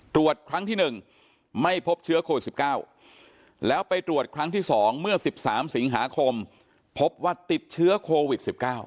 ตรวจครั้งที่๑ไม่พบเชื้อโควิด๑๙แล้วไปตรวจครั้งที่๒เมื่อ๑๓สิงหาคมพบว่าติดเชื้อโควิด๑๙